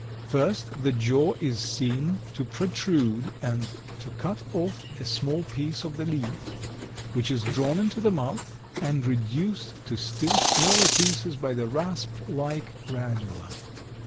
First the jaw is seen to protrude and to cut off a small piece of the leaf, which is drawn into the mouth and reduced to still smaller pieces by the rasp like radula.